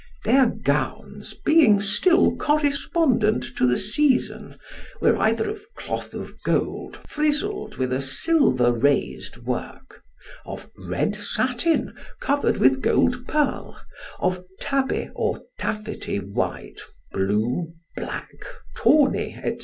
Their gowns, being still correspondent to the season, were either of cloth of gold frizzled with a silver raised work; of red satin, covered with gold purl; of tabby, or taffety, white, blue, black, tawny, &c.